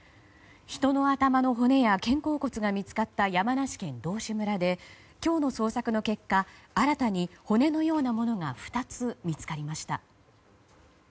人の頭の骨や肩甲骨が見つかった山梨県道志村で今日の捜索の結果新たに骨のようなものが２つ見つかりました。